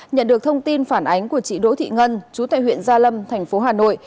nhận được thông tin phản ánh của chị đỗ thị ngân chú tại huyện gia lâm thành phố hà nội